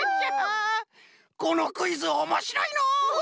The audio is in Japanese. このクイズおもしろいのう！